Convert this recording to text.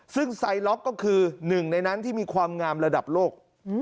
ซึ่งไซล็อกก็คือหนึ่งในนั้นที่มีความงามระดับโลก